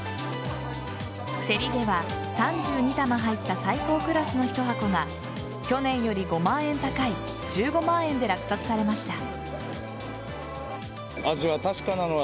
競りでは３２玉入った最高クラスの一箱が去年より５万円高い１５万円で落札されました。